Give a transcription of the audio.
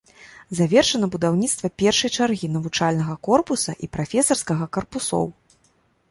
Завершана будаўніцтва першай чаргі навучальнага корпуса і прафесарскага карпусоў.